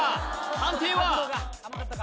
判定は？